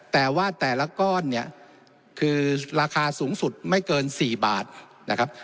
แต่ว่าแต่ละก้อนเนี่ยคือราคาสูงสุดไม่เกิน๔บาทนะครับ